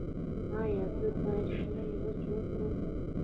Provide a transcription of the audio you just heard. ایا زه باید شنه مرچ وخورم؟